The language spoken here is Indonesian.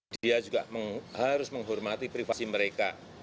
dia juga harus menghormati privasi mereka